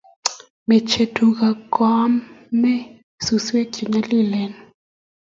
Machame tuga koamei suswek che nyalilen